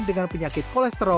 dengan penyakit kolesterol atau